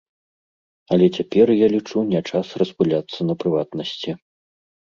Але цяпер, я лічу, не час распыляцца на прыватнасці.